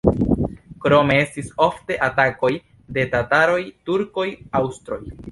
Krome estis ofte atakoj de tataroj, turkoj, aŭstroj.